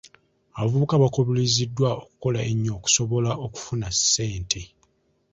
Abavubuka baakubirizibwa okukola ennyo okusobola okufuna ssente.